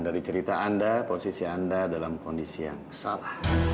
dari cerita anda posisi anda dalam kondisi yang salah